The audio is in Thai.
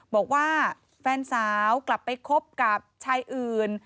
บอกว่าแฟนสาวกลับไปคบกับชายอื่น